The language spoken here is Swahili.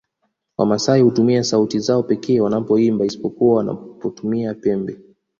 Wamasai hutumia sauti zao pekee wanapoimba isipokuwa wanapotumia pembe